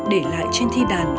để lại trên thi đàn